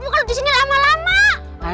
bukan disini lama lama